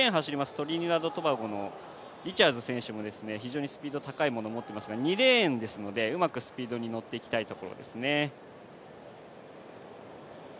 トリニダード・トバゴのリチャーズ選手も非常にスピード、高いもの持っていますから、２レーンですのでうまくスピードに乗っていきたいところですね。